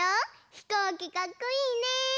ひこうきかっこいいね！